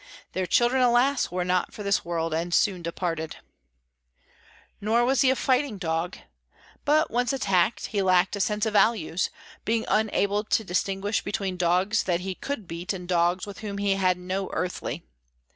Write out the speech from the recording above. Their children, alas, were not for this world, and soon departed. Nor was he a fighting dog; but once attacked, he lacked a sense of values, being unable to distinguish between dogs that he could beat and dogs with whom he had "no earthly."